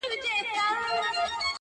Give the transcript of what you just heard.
سیلۍ نامردي ورانوي آباد کورونه!.